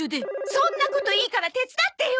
そんなこといいから手伝ってよ！